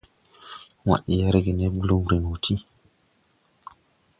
Wad yɛgre ne blumrin wɔ ti.